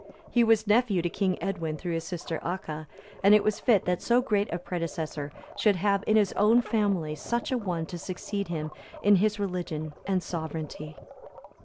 He was nephew to King Edwin through his sister Acha; and it was fit that so great a predecessor should have in his own family such an one to succeed him in his religion and sovereignty.